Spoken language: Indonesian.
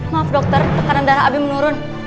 maaf dokter tekanan darah abi menurun